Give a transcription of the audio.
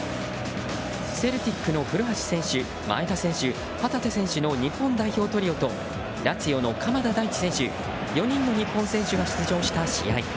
セルティックの古橋選手、前田選手、旗手選手の日本代表トリオとラツィオの鎌田大地選手４人の日本人選手が出場した試合。